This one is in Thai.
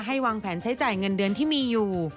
วางแผนใช้จ่ายเงินเดือนที่มีอยู่